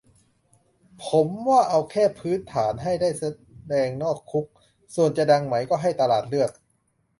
ผมว่าเอาแค่พื้นฐาน ให้ได้แสดงนอกคุก ส่วนจะดังไหมก็ให้ตลาดเลือก